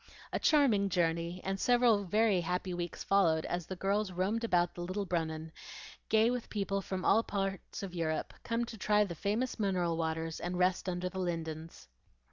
A charming journey, and several very happy weeks followed as the girls roamed about the Little Brunnen, gay with people from all parts of Europe, come to try the famous mineral waters, and rest under the lindens.